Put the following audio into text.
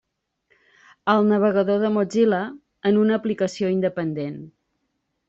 El navegador de Mozilla, en una aplicació independent.